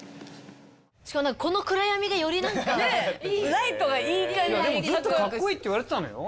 しかも何かこの暗闇でより何かライトがいい感じにでもずっとかっこいいって言われてたのよ